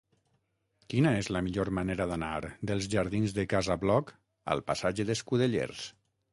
Quina és la millor manera d'anar dels jardins de Casa Bloc al passatge d'Escudellers?